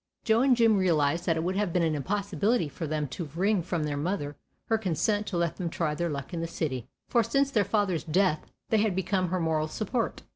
Joe and Jim realized that it would have been an impossibility for them to wring from their mother her consent to let them try their luck in the city, for since their father's death, they had become her moral support.